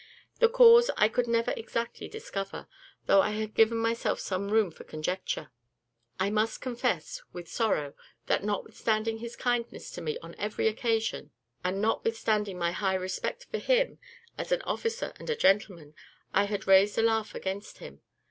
The cause I could never exactly discover, though I had given myself some room for conjecture. I must confess, with sorrow, that notwithstanding his kindness to me on every occasion, and notwithstanding my high respect for him, as an officer and a gentleman, I had raised a laugh against him.